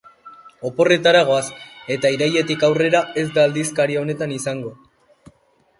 Oporretara goaz eta irailetik aurrera ez da aldizkari honetan izango.